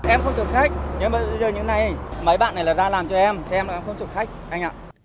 em không chở khách nhưng bây giờ như thế này mấy bạn này là ra làm cho em cho em là em không chở khách anh ạ